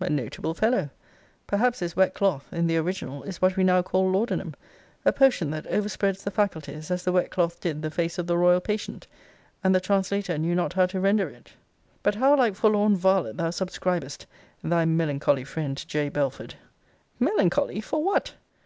A notable fellow! Perhaps this wet cloth in the original, is what we now call laudanum; a potion that overspreads the faculties, as the wet cloth did the face of the royal patient; and the translator knew not how to render it. But how like forlorn varlet thou subscribest, 'Thy melancholy friend, J. BELFORD!' Melancholy! For what?